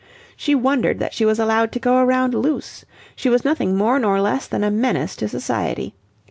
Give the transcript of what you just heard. She wondered that she was allowed to go around loose. She was nothing more nor less than a menace to society.